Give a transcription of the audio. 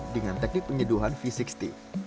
dengan teknik penyedut